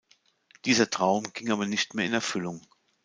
Dieser Traum ging aber nicht mehr in Erfüllung.